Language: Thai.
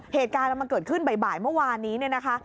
เหตุการณ์มันเกิดขึ้นบ่ายเมื่อวานนี้เนี่ยนะคะ